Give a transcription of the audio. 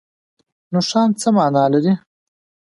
نښان څه مانا لري؟